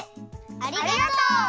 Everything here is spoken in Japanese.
ありがとう！